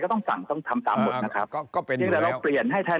ก็ต้องสั่งต้องคำก็เป็นสิ่งที่เราเปลี่ยนให้แทน